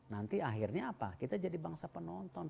nanti akhirnya apa kita jadi bangsa penonton